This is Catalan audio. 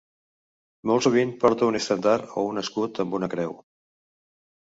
Molt sovint porta un estendard o un escut amb una creu.